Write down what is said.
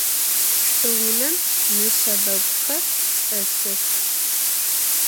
Çç'ıunem neşşebeguxer çç'elhıx.